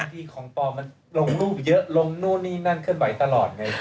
ที่ของปลอมมันลงรูปเยอะลงนู่นนี่นั่นเคลื่อนไหวตลอดไง